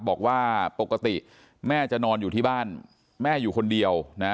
บอกว่าปกติแม่จะนอนอยู่ที่บ้านแม่อยู่คนเดียวนะ